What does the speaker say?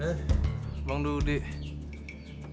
eh bang dudik